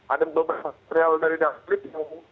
ada beberapa serial dari lift